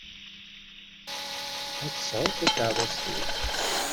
Ad tt-tesɛuḍ takeṛṛust-iw.